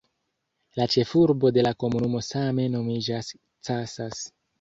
La ĉefurbo de la komunumo same nomiĝas "Casas".